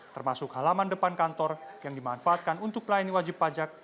termasuk halaman depan kantor yang dimanfaatkan untuk melayani wajib pajak